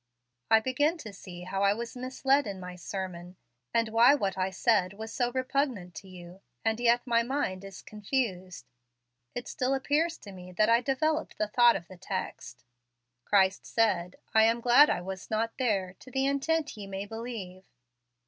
"I begin to see how I was misled in my sermon, and why what I said was so repugnant to you; and yet my mind is confused. It still appears to me that I developed the thought of the text. Christ said, 'I am glad I was not there, to the intent ye may believe.'